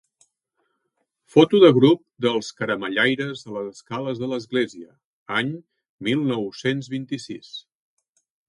Foto de grup dels caramellaires a les escales de l'església, any mil nou-cents vint-i-sis.